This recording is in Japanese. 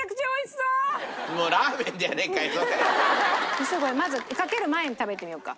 そしたらこれまずかける前に食べてみようか。